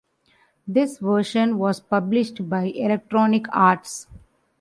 This version was published by Electronic Arts.